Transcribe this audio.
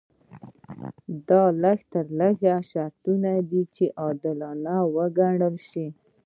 دا لږ تر لږه شرطونه دي چې عادلانه وګڼل شي.